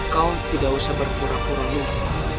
kau tidak usah berpura pura mungkin